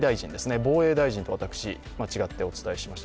防衛大臣と私、間違ってお伝えしました。